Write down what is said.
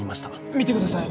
見てください